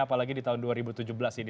apalagi di tahun dua ribu tujuh belas ini